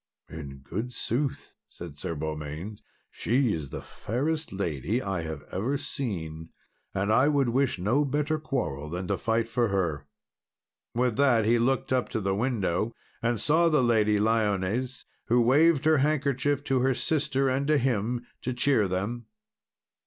"In good sooth," said Sir Beaumains, "she is the fairest lady I have ever seen, and I would wish no better quarrel than to fight for her." With that, he looked up to the window, and saw the Lady Lyones, who waved her handkerchief to her sister and to him to cheer them.